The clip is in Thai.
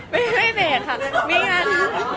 ไม่เมกค่ะมีงานนะ